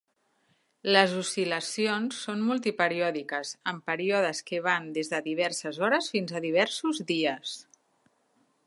Les oscil·lacions són multiperiòdiques, amb períodes que van des de diverses hores fins a diversos dies.